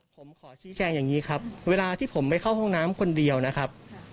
ผมขอชี้แจงอย่างนี้ครับเวลาที่ผมไม่เข้าห้องน้ำคนเดียวนะครับ